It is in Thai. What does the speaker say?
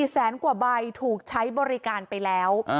แสนกว่าใบถูกใช้บริการไปแล้ว